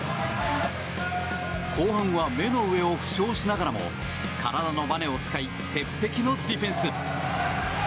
後半は目の上を負傷しながらも体のばねを使い鉄壁のディフェンス！